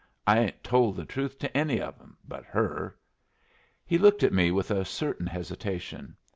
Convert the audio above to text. I ain't told the truth to any of 'em but her." He looked at me with a certain hesitation.